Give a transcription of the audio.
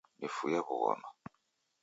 Nifue w'ughoma